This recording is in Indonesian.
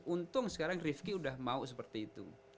untung sekarang rifki sudah mau seperti itu